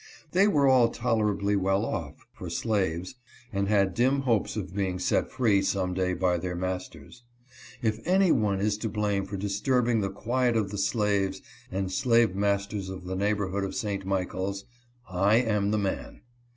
They were all tolerably well off — for slaves — and had dim hopes of being set free some day by their masters. If any one is to blame for disturbing the quiet of the slaves and slave masters of the neighbor hood of St. Michaels, I am the man.